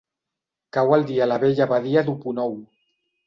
Cau el dia a la bella badia d'Opunohu.